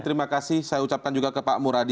terima kasih saya ucapkan juga ke pak muradi